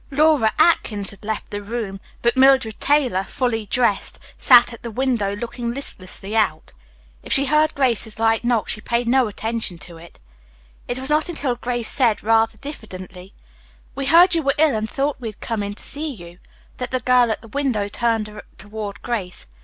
Laura Atkins had left the room, but Mildred Taylor, fully dressed, sat at the window looking listlessly out. If she heard Grace's light knock she paid no attention to it. It was not until Grace said rather diffidently, "We heard you were ill and thought we'd come in to see you," that the girl at the window turned toward Grace.